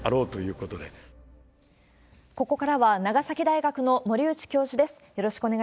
ここからは長崎大学の森内教授です。